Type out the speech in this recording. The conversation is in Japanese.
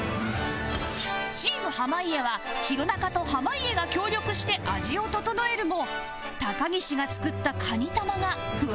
チーム濱家は弘中と濱家が協力して味を調えるも高岸が作ったカニ玉が不安要素